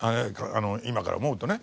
今から思うとね。